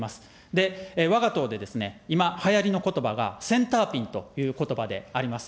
で、わが党でですね、今、はやりのことばがセンターピンということばであります。